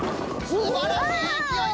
すばらしいいきおい！